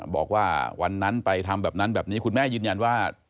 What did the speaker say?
บอกว่าวันนั้นไปทำแบบนั้นแบบนี้คุณแม่ยืนยันว่า